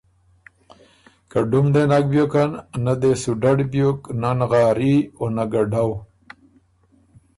که ډُم دې نک بیوکن، نۀ دې سو ډډ بیوک نۀ نغاري او نۀ ګډؤ۔